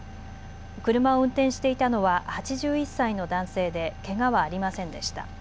車を運転していたのは８１歳の男性でけがはありませんでした。